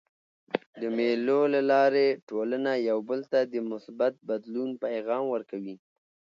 د مېلو له لاري ټولنه یو بل ته د مثبت بدلون پیغام ورکوي.